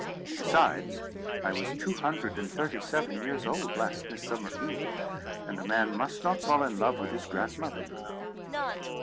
Besides, I was two hundred and thirty seven years old, last Midsummer eve; and a man must not fall in love with his grandmother, you know."